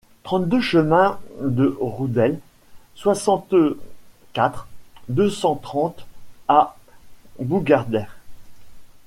trente-deux chemin de Roundelle, soixante-quatre, deux cent trente à Bougarber